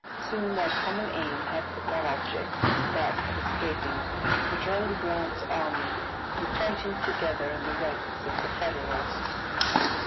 Soon their common aim had but one object, that of escaping, rejoining Grant's army, and fighting together in the ranks of the Federals.